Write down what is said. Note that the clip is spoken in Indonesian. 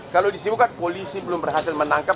kalau disibukan polisi belum berhasil menangkap